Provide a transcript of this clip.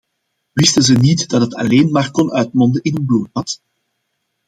Wisten ze niet dat het alleen maar kon uitmonden in een bloedbad?